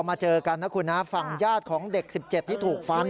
เจอกันนะคุณนะฝั่งญาติของเด็ก๑๗ที่ถูกฟัน